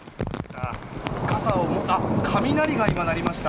雷が今、鳴りました。